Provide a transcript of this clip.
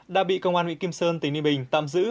đã bị công an huyện kim sơn tỉnh ninh bình tạm giữ